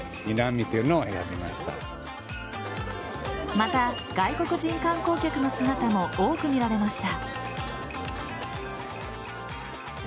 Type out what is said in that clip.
また、外国人観光客の姿も多く見られました。